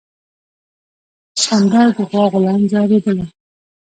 سخوندر د غوا غولانځه رودله.